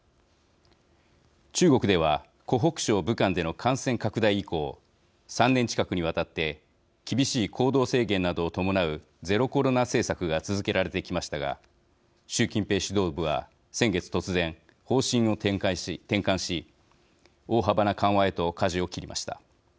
中国では、湖北省武漢での感染拡大以降３年近くにわたって厳しい行動制限などを伴うゼロコロナ政策が続けられてきましたが習近平指導部は先月突然方針を転換し、大幅な緩和へとかじを切りました。